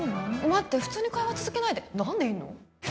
待って普通に会話続けないで何でいんの？